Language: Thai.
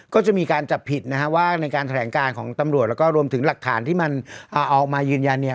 ก็จะมีการจับผิดนะฮะว่าในการแถลงการของตำรวจแล้วก็รวมถึงหลักฐานที่มันออกมายืนยันเนี่ย